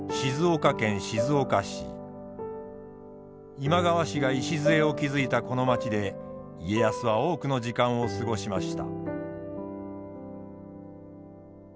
今川氏が礎を築いたこの街で家康は多くの時間を過ごしました。